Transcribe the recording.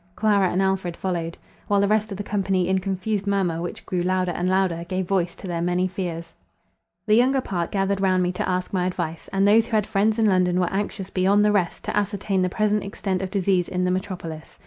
Clara and Alfred followed. While the rest of the company, in confused murmur, which grew louder and louder, gave voice to their many fears. The younger part gathered round me to ask my advice; and those who had friends in London were anxious beyond the rest, to ascertain the present extent of disease in the metropolis.